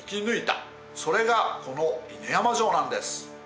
それがこの犬山城なんです。